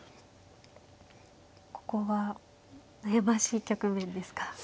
ここは悩ましい局面ですか。